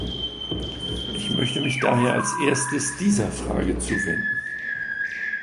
Ich möchte mich daher als Erstes dieser Frage zuwenden.